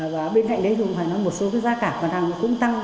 và bên cạnh đấy cũng phải nói một số cái giá cả khả năng cũng tăng